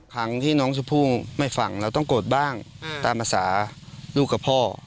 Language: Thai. ครั้งที่น้องชมพู่ไม่ฟังเราต้องโกรธบ้างตามภาษาลูกกับพ่อ